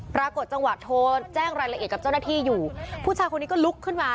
ปรากฏจังหวะโทรแจ้งรายละเอียดกับเจ้าหน้าที่อยู่ผู้ชายคนนี้ก็ลุกขึ้นมา